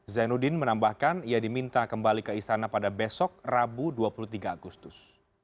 zainuddin menambahkan ia diminta kembali ke istana pada besok rabu dua puluh tiga agustus